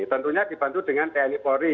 tentunya dibantu dengan tni polri